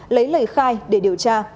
lấy lời khai để điều tra